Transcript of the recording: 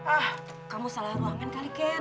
ah kamu salah ruangan kali ken